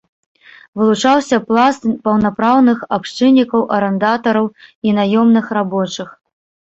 Вылучаўся пласт паўнапраўных абшчыннікаў, арандатараў і наёмных рабочых.